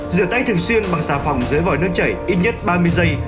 rửa tay thường xuyên bằng xà phòng dưới vòi nước chảy ít nhất ba mươi giây